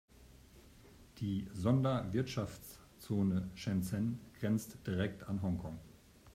Die Sonderwirtschaftszone Shenzhen grenzt direkt an Hongkong.